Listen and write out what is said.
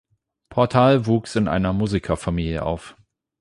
Portal wuchs in einer Musikerfamilie auf.